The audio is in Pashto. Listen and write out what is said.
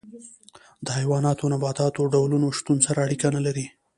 د حیواناتو او نباتاتو ډولونو شتون سره اړیکه نه لري.